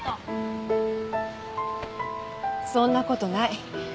そんな事ない。